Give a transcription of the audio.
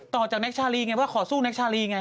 ต่อจากแน็กซ์ชาลีไงเพราะว่าขอสู้แน็กซ์ชาลีไง